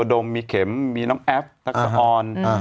ยโดมมีเข็มมีน้ำแอฟทรักษาออน